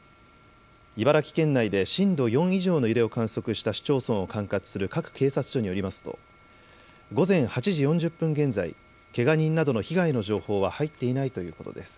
茨城県内で震度４以上の揺れを観測した市町村を管轄する各警察署によりますと午前８時４０分現在、けが人などの被害の情報は入っていないということです。